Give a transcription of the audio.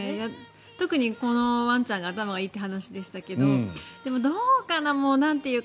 特にこのワンちゃんが頭がいいという話でしたけどでも、どうかな。なんていうか